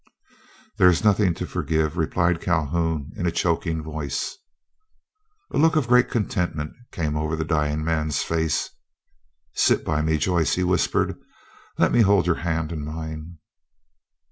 "There is nothing to forgive," replied Calhoun, in a choking voice. A look of great contentment came over the dying man's face. "Sit by me, Joyce," he whispered. "Let me hold your hand in mine."